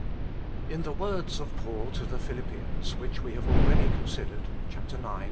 IN the words of Paul to the Philippians, which we have already considered (Chap. IX.)